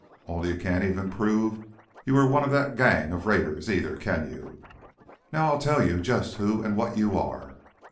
Only you can't even prove you were one of that gang of raiders, either, can you? Now I'll tell you just who and what you are.